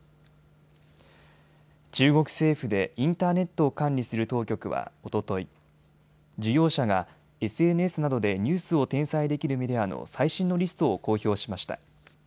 中国政府でインターネットを管理する当局は、おととい、事業者がＳＮＳなどでニュースを転載できるメディアの最新のリストを公表しました。